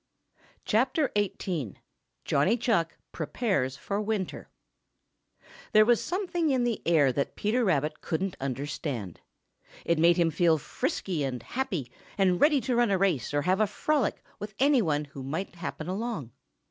XVIII. JOHNNY CHUCK PREPARES FOR WINTER |THERE was something in the air that Peter Rabbit couldn't understand. It made him feel frisky and happy and ready to run a race or have a frolic with any one who might happen along.